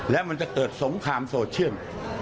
และมันจะเกิดสงครามโซเชียล